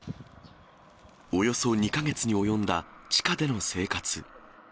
およそ２か月に及んだ地下での生活。